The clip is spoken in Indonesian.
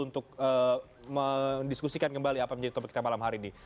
untuk mendiskusikan kembali apa menjadi topik kita malam hari ini